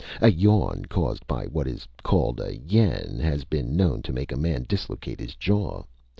A yawn caused by what is called a yen has been known to make a man dislocate his jaw.